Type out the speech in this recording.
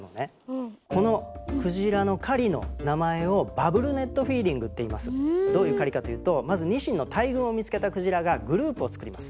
このクジラの狩りの名前をどういう狩りかというとまずニシンの大群を見つけたクジラがグループを作ります。